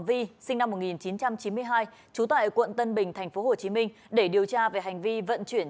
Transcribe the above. vy sinh năm một nghìn chín trăm chín mươi hai trú tại quận tân bình thành phố hồ chí minh để điều tra về hành vi vận chuyển